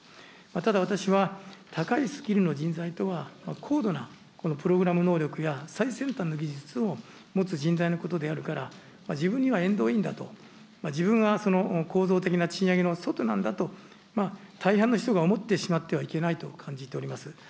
ただ私は、高いスキルの人材とは高度なプログラム能力や最先端の技術を持つ人材のことであるから、自分には縁遠いんだと、自分はその構造的な賃上げの外なんだと、大半の人が思ってしまってはいけないと感じております。